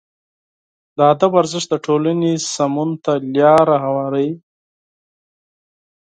د ادب ارزښت د ټولنې سمون ته لاره هواروي.